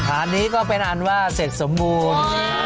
อันนี้ก็เป็นอันว่าเสร็จสมบูรณ์